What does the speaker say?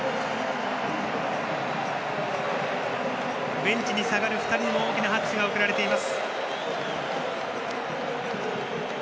ベンチに下がる２人にも大きな拍手が送られています。